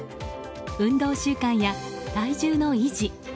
運動習慣や体重の維持。